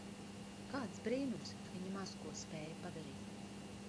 Kāds brīnums, ka viņa maz ko spēja padarīt?